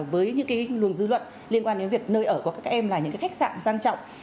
với những cái luồng dư luận liên quan đến việc nơi ở của các em là những cái khách sạn sang trọng